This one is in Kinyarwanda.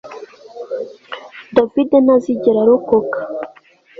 David ntazigera arokoka